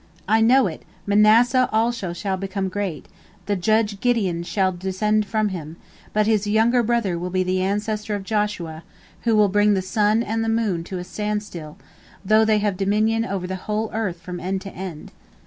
I know it, Manasseh also shall become great, the judge Gideon shall descend from him, but his younger brother will be the ancestor of Joshua, who will bring the sun and the moon to a standstill, though they have dominion over the whole earth from end to end."